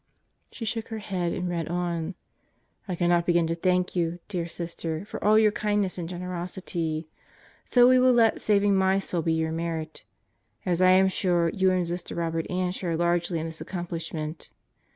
She shook her head and read on: I cannot begin to thank you, dear Sister, for all your kindness and generosity. So we will let saving my soul be your merit. As I am sure you and Sister Robert Ann share largely in this accom plishment.